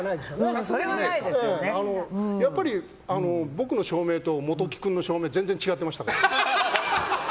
やっぱり僕の照明と本木君の照明全然違ってました。